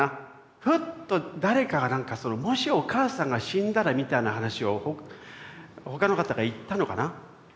フッと誰かがなんか「もしお母さんが死んだら」みたいな話を他の方が言ったのかな？